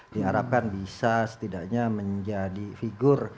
di harapan bisa setidaknya menjadi figur